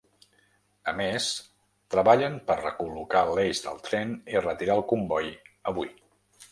A més, treballen per recol·locar l’eix del tren i retirar el comboi avui.